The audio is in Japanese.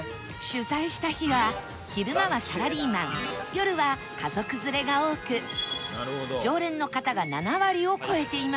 取材した日は昼間はサラリーマン夜は家族連れが多く常連の方が７割を超えていました